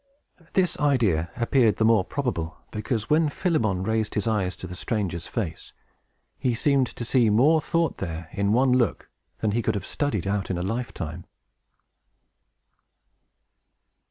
This idea appeared the more probable, because, when Philemon raised his eyes to the stranger's face, he seemed to see more thought there, in one look, than he could have studied out in a lifetime.